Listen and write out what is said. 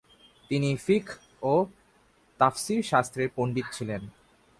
তিনি ফিকহ ও তাফসির শাস্ত্রের পণ্ডিত ছিলেন।